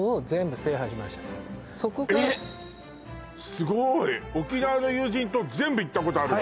すごーい沖縄の有人島全部行ったことあるの？